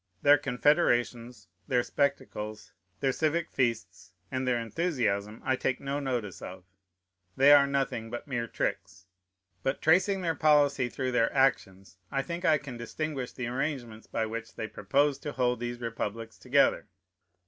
Their confederations, their spectacles, their civic feasts, and their enthusiasm I take no notice of; they are nothing but mere tricks; but tracing their policy through their actions, I think I can distinguish the arrangements by which they propose to hold these republics together.